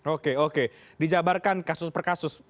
oke oke dijabarkan kasus perkasus